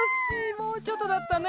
もうちょっとだったね。